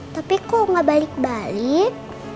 tapi kok gak balik balik